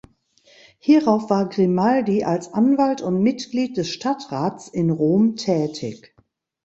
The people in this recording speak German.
Hierauf war Grimaldi als Anwalt und Mitglied des Stadtrats in Rom tätig.